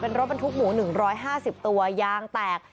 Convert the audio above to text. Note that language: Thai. รถบรรทุกหมู๑๕๐ตัวยางแตก